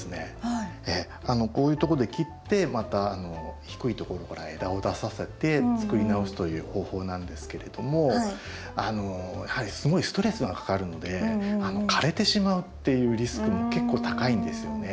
こういうとこで切ってまた低いところから枝を出させて作り直すという方法なんですけれどもあのやはりすごいストレスがかかるので枯れてしまうっていうリスクも結構高いんですよね。